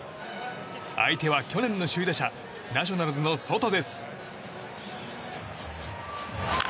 相手は去年の首位打者ナショナルズのソトです。